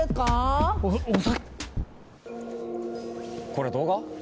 これ動画？